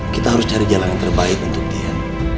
kita harus cari jalan yang terbaik untuk dia